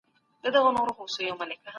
سندرې د ذهن او بدن دواړو لپاره ګټورې دي.